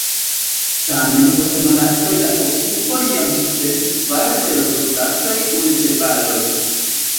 Tamen post monatoj la okupo jam sukcesis fare de soldatoj kun ĉevaloj.